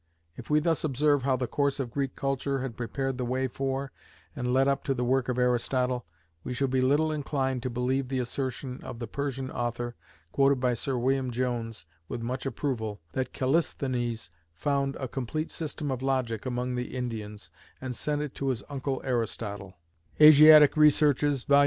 If we thus observe how the course of Greek culture had prepared the way for, and led up to the work of Aristotle, we shall be little inclined to believe the assertion of the Persian author, quoted by Sir William Jones with much approval, that Kallisthenes found a complete system of logic among the Indians, and sent it to his uncle Aristotle (Asiatic Researches, vol.